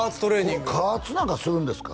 加圧なんかするんですか？